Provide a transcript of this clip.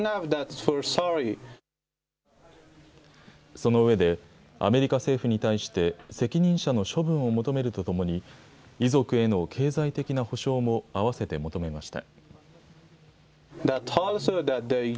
その上で、アメリカ政府に対して、責任者の処分を求めるとともに、遺族への経済的な補償も併せて求めました。